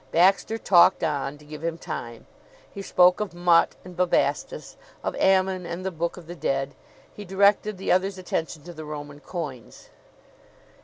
Baxter talked on, to give him time. He spoke of Mut and Bubastis, of Ammon and the Book of the Dead. He directed the other's attention to the Roman coins.